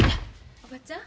おばちゃん。